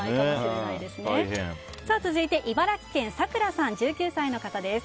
続いて、茨城県１９歳の方です。